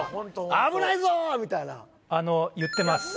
「危ないぞ！」みたいなあの言ってます